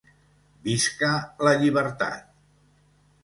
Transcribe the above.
Visca la llibertat!